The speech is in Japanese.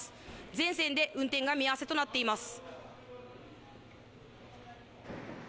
全線で運転が見合わせとなっています。